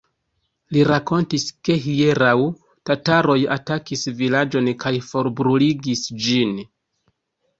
Li rakontis, ke hieraŭ tataroj atakis vilaĝon kaj forbruligis ĝin.